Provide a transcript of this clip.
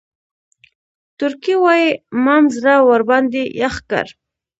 تورکى وايي مام زړه ورباندې يخ کړ.